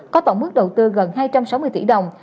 có tổng mức đầu tư gần hai trăm sáu mươi tỷ đồng